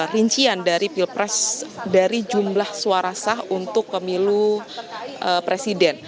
rincian dari pilpres dari jumlah suara sah untuk pemilu presiden